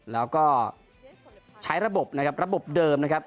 แล้วก็ใช้ระบบนะครับระบบเดิมนะครับ